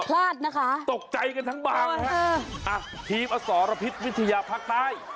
พลาดนะคะตกใจกันทั้งบางฮะอ่ะทีมอสรพิษวิทยาภาคใต้